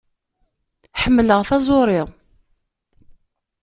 Ḥemmleɣ taẓuṛi.